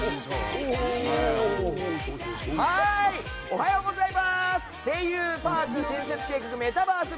おはようございバース！